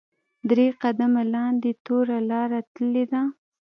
درې قدمه لاندې توره لاره تللې ده.